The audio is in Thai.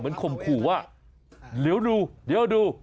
เหมือนคมขูว่าเดี๋ยวดู